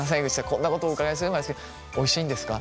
こんなことをお伺いするのもあれですけどおいしいんですか？